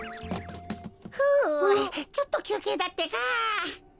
ふうちょっときゅうけいだってか。